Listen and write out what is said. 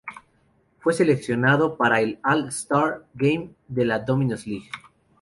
Fue seleccionado para el All-Star Game de la Domino's League.